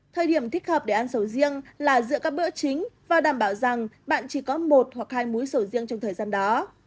thời điểm thích hợp để ăn sầu riêng là giữa các bữa chính và đảm bảo rằng bạn chỉ có một hoặc hai muối sầu riêng trong thời gian đó